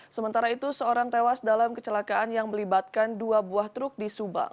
sementara itu seorang tewas dalam kecelakaan yang melibatkan dua buah truk di subang